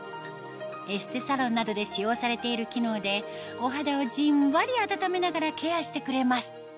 エステサロンなどで使用されている機能でお肌をじんわり温めながらケアしてくれます